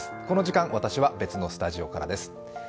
この時間、私は別のスタジオからです。